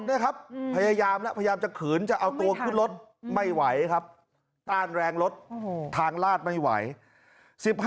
นี่ครับพยายามแล้วพยายามจะขืนจะเอาตัวขึ้นรถไม่ไหวครับต้านแรงรถทางลาดไม่ไหว